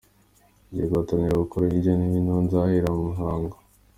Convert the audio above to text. ngiye gutangira gukora hirya no hino aho nzahera mu Ruhango.